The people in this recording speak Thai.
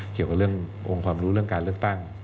เกี่ยวกับเรื่ององค์ความรู้เรื่องการเลือกตั้ง